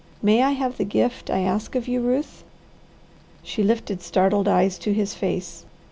May I have the gift I ask of you, Ruth?" She lifted startled eyes to his face.